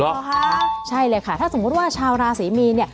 เหรอคะใช่เลยค่ะถ้าสมมุติว่าชาวราศรีมีนเนี่ย